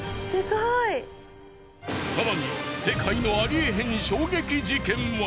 更に世界のありえへん衝撃事件は。